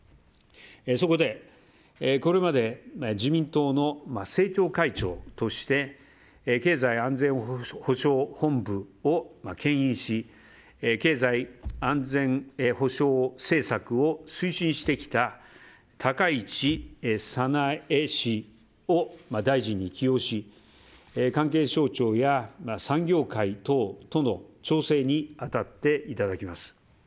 そこで、これまで自民党の政調会長として経済安全保障本部を牽引し、経済安全保障政策を推進してきた高市早苗氏を大臣に起用し関係省庁や産業界等との調整に当たっていただきます。